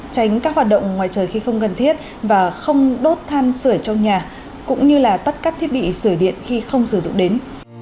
tránh các hoạt động ngoài trời khi không cần thiết và không đốt than sửa trong nhà cũng như là tắt các thiết bị sửa điện khi không sử dụng đến